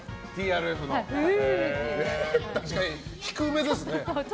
確かに、低めですね。